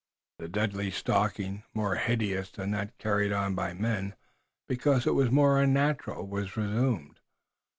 The deadly stalking, more hideous than that carried on by men, because it was more unnatural, was resumed.